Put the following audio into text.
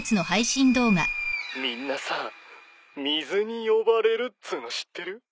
みんなさ水に呼ばれるっつうの知ってる？